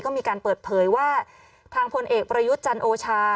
ก็มีการเปิดเผยว่าทางพลเอกประยุทธ์จันโอชา